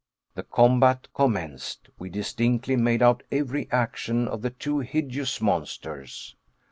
The combat commenced. We distinctly made out every action of the two hideous monsters.